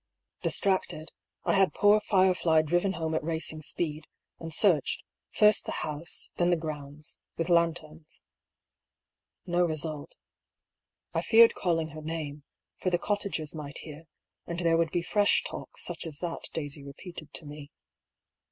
Distracted, I had poor Firefly driven home at racing speed, and searched, first the honse, then the grounds, with lanterns. No result. I feared calling her name, for the cot tagers might hear, and there would be fresh talk such as that Daisy repeated to me.